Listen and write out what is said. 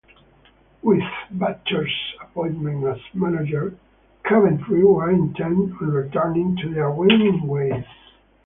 With Butcher's appointment as manager, Coventry were intent on returning to their winning ways.